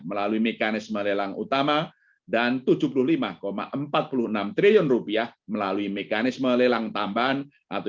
melalui mekanisme lelang utama dan tujuh puluh lima empat puluh enam triliun rupiah melalui mekanisme lelang tambahan atau